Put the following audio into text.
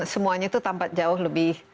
semuanya itu tampak jauh lebih